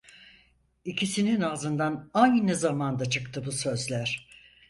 İkisinin ağzından aynı zamanda çıktı bu sözler.